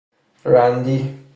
رندی